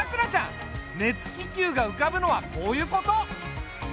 熱気球が浮かぶのはこういうこと。